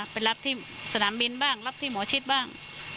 ไปรับที่สนามบินบ้างรับที่หมอชิดบ้าง